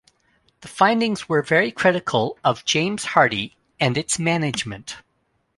The findings were very critical of James Hardie and its management.